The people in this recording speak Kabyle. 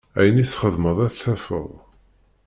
Ayen i txedmeḍ ad t-tafeḍ.